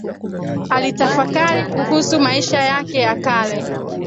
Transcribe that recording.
Alitafakari kuhusu maisha yake ya kale